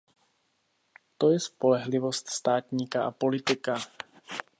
To je spolehlivost státníka a politika.